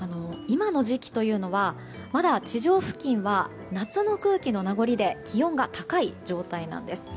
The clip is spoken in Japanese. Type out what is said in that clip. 今の時期というのはまだ地上付近は夏の空気の名残で気温が高い状態なんです。